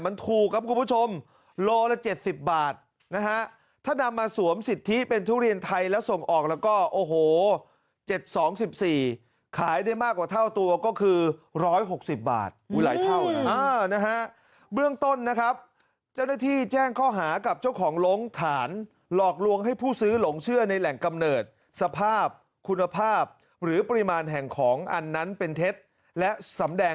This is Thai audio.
มันถูกครับคุณผู้ชมโลละ๗๐บาทนะฮะถ้านำมาสวมสิทธิเป็นทุเรียนไทยแล้วส่งออกแล้วก็โอ้โห๗๒๑๔ขายได้มากกว่าเท่าตัวก็คือ๑๖๐บาทอุ้ยหลายเท่านะเบื้องต้นนะครับเจ้าหน้าที่แจ้งข้อหากับเจ้าของลงฐานหลอกลวงให้ผู้ซื้อหลงเชื่อในแหล่งกำเนิดสภาพคุณภาพหรือปริมาณแห่งของอันนั้นเป็นเท็จและสำแดง